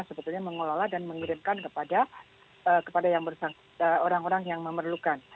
sebetulnya mengelola dan mengirimkan kepada orang orang yang memerlukan